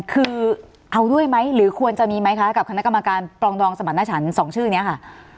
คือเอาด้วยไหมหรือควรจะมีไหมคะกับคณะกรรมการปรองดองสมรรถฉัน๒ชื่อนี้ค่ะ